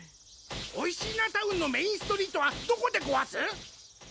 おいしーなタウンのメインストリートはどこでごわす？